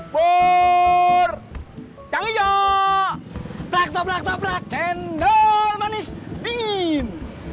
for cang hijau plak toprak toprak toprak cendol manis dingin